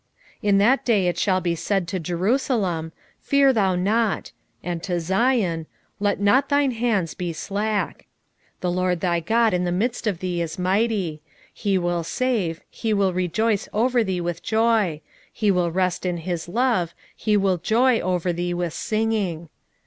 3:16 In that day it shall be said to Jerusalem, Fear thou not: and to Zion, Let not thine hands be slack. 3:17 The LORD thy God in the midst of thee is mighty; he will save, he will rejoice over thee with joy; he will rest in his love, he will joy over thee with singing.